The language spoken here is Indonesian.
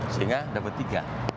sehingga dapat tiga